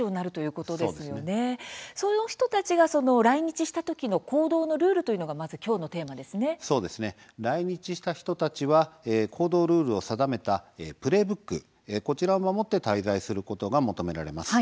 その人たちが来日したときの行動のルールというのが来日した人たちは行動ルールを定めたプレーブックを守って滞在することが求められます。